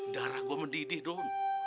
darah gue mendidih dong